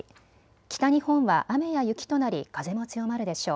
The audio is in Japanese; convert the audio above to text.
北日本は雨や雪となり風も強まるでしょう。